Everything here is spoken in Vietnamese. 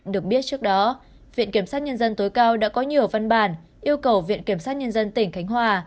được biết trước đó viện kiểm sát nhân dân tối cao đã có nhiều văn bản yêu cầu viện kiểm sát nhân dân tỉnh khánh hòa